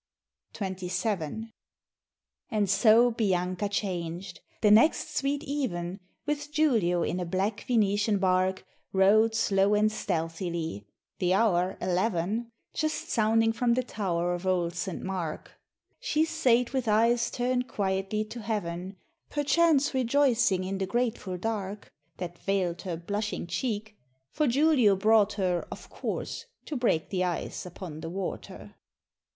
XXVII. And so Bianca changed; the next sweet even, With Julio in a black Venetian bark, Row'd slow and stealthily the hour, eleven, Just sounding from the tow'r of old St. Mark; She sate with eyes turn'd quietly to heav'n, Perchance rejoicing in the grateful dark That veil'd her blushing cheek, for Julio brought her Of course to break the ice upon the water.